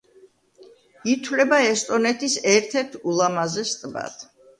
ითვლება ესტონეთის ერთ-ერთ ულამაზეს ტბად.